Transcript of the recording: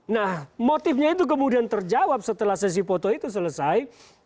nah motifnya itu kemudian terjawab setelah sesi foto itu selesai